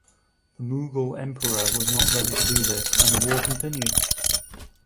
The Mughal Emperor was not ready to do this and the war continued.